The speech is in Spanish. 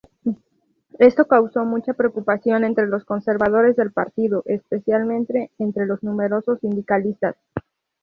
Esto causó mucha preocupación entre los conservadores del partido, especialmente entre los numerosos sindicalistas.